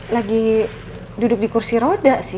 lagi duduk di kursi roda sih